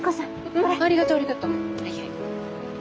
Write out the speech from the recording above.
はいはい。